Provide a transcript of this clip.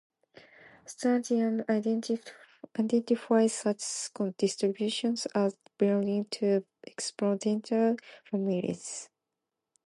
Statisticians identify such distributions as belonging to exponential families.